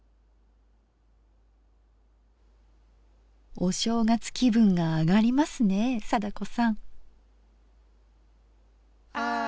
お正月気分が上がりますね貞子さん。